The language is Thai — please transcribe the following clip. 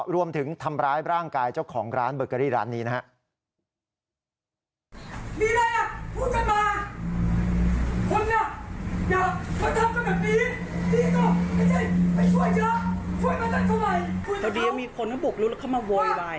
รวมถึงทำร้ายร่างกายเจ้าของร้านเบอร์เกอรี่ร้านนี้นะครับ